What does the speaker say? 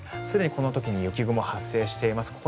すでにこの時に雪雲発生しています。